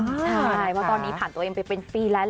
ใช่เพราะตอนนี้ผ่านตัวเองไปเป็นฟรีแลนด์